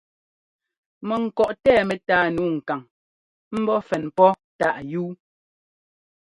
Mɛŋkɔꞌ tɛɛ mɛtáa nǔu kaŋ ḿbɔ́ fɛn pɔ́ táꞌ yúu.